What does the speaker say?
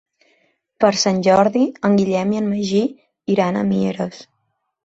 Per Sant Jordi en Guillem i en Magí iran a Mieres.